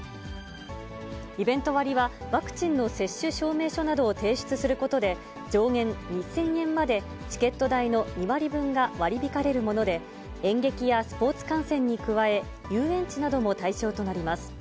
イベント割は、ワクチンの接種証明書などを提出することで、上限２０００円まで、チケット代の２割分が割り引かれるもので、演劇やスポーツ観戦に加え、遊園地なども対象となります。